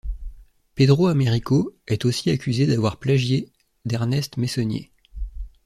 Pedro Américo est aussi accusé d'avoir plagié d'Ernest Meissonier.